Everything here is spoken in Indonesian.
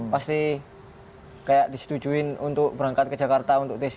pasti kayak disetujuin untuk berangkat ke jakarta untuk tc